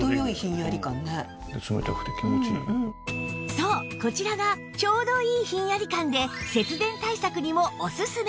そうこちらがちょうどいいひんやり感で節電対策にもおすすめ！